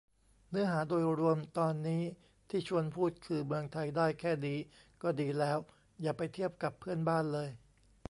เนื้อหาโดยรวมตอนนี้ที่ชวนพูดคือ เมืองไทยได้แค่นี้ก็ดีแล้ว อย่าไปเทียบกับเพื่อนบ้านเลย